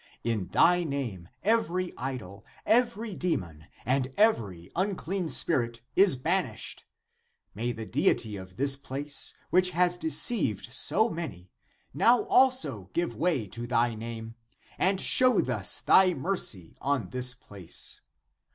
In thy name every idol, every demon, and every unclean spirit is ban ished. May the deity of this place, which has de ceived so many, now also give way to thy name, and show thus thy mercy on this place